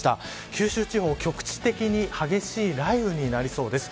九州地方、局地的に激しい雷雨になりそうです。